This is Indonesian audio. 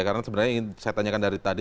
karena sebenarnya ingin saya tanyakan dari tadi